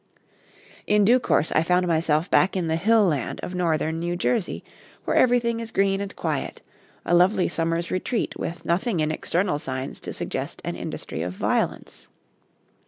In due course I found myself back in the hill land of northern New Jersey, where everything is green and quiet, a lovely summer's retreat with nothing in external signs to suggest an industry of violence.